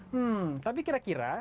hmm tapi kira kira bisa gak ya